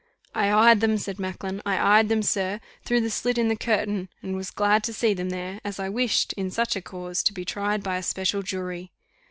I eyed them," said Macklin, "I eyed them, sir, through the slit in the curtain, and was glad to see them there; as I wished, in such a cause, to be tried by a special jury.